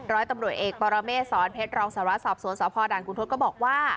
ร้อยตำรวจเอกปรเมฆสอนเพชรรองสารวสอบสวนสพด่านคุณทศก็บอกว่า